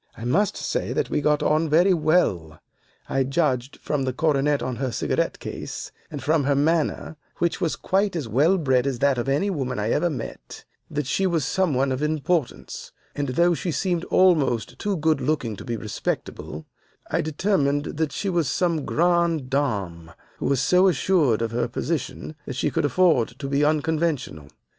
I must say that we got on very well. I judged from the coronet on her cigarette case, and from her manner, which was quite as well bred as that of any woman I ever met, that she was some one of importance, and though she seemed almost too good looking to be respectable, I determined that she was some grande dame who was so assured of her position that she could afford to be unconventional.